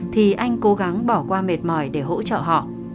thì anh cố gắng bỏ qua mệt mỏi để hỗ trợ họ